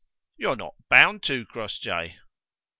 "You are not bound to, Crossjay."